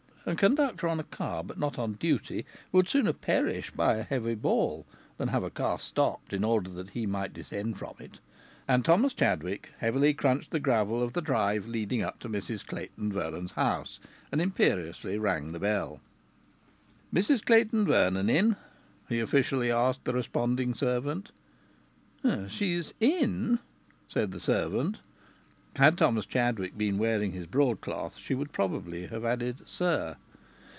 (A conductor on a car but not on duty would sooner perish by a heavy fall than have a car stopped in order that he might descend from it.) And Thomas Chadwick heavily crunched the gravel of the drive leading up to Mrs Clayton Vernon's house, and imperiously rang the bell. "Mrs Clayton Vernon in?" he officially asked the responding servant. "She's in," said the servant. Had Thomas Chadwick been wearing his broadcloth she would probably have added "sir."